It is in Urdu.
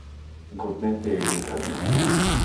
گھٹنے سے ایڑی تک